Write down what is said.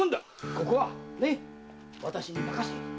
ここは私に任せて。